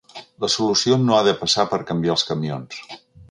La solució no ha de passar per canviar els camions.